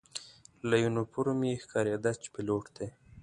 له یونیفورم یې ښکارېده چې پیلوټ دی.